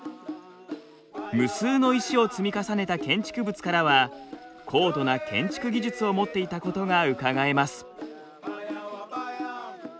無数の石を積み重ねた建築物からは高度な建築技術を持っていたことがうかがえます。